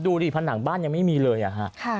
ดูดิผนังบ้านยังไม่มีเลยอะฮะ